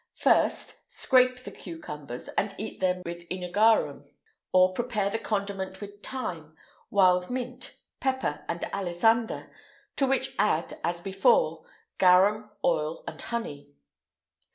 1st. Scrape the cucumbers, and eat them with œnogarum.[IX 118][W] Or, prepare the condiment with thyme, wild mint, pepper, and alisander; to which add, as before, garum, oil, and honey.